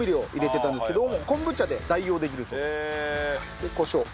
でコショウ。